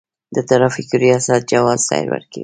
د ترافیکو ریاست جواز سیر ورکوي